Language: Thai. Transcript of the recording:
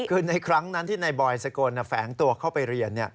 คือในครั้งนั้นที่นายบอยสกลแฝงตัวเข้าไปเรียน